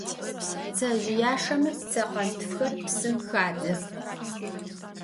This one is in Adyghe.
Ptsezjıyaşşeme ptsekhentfxer psım xadzex.